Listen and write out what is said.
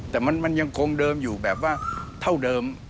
แต่มันยังคงเดิมอยู่แบบว่าเท่าเดิม